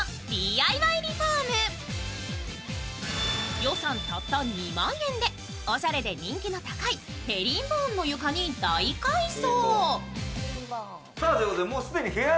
予算たった２万円で、おしゃれで人気の高いヘリンボーンの床に大改装。